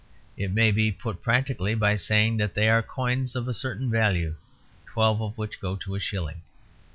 It may be put practically by saying that they are coins of a certain value, twelve of which go to a shilling.